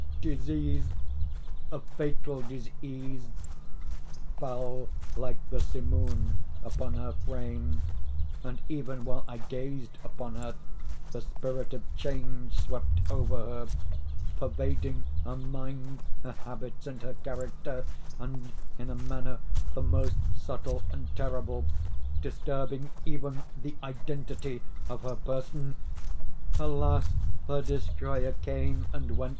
Disease—a fatal disease, fell like the simoon upon her frame; and, even while I gazed upon her, the spirit of change swept over her, pervading her mind, her habits, and her character, and, in a manner the most subtle and terrible, disturbing even the identity of her person! Alas! the destroyer came and went!